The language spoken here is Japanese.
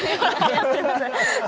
すいません。